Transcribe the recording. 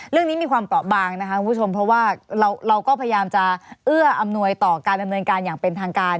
เรื่องนี้มีความเปราะบางนะคะคุณผู้ชมเพราะว่าเราก็พยายามจะเอื้ออำนวยต่อการดำเนินการอย่างเป็นทางการ